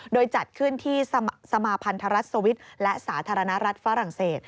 โดยจัดขึ้นที่สมาพันธรัฐสวิทย์และสาธารณรัฐฝรั่งเศส